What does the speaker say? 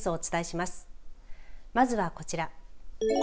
まずは、こちら。